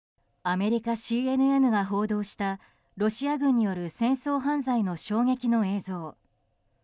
アメリカＣＮＮが報道したロシア軍による戦争犯罪の衝撃の映像。